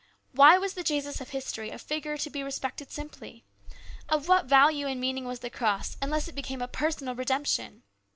Why was the Jesus of history a figure to be respected simply ? Of what value and meaning was the cross unless it became a personal redemption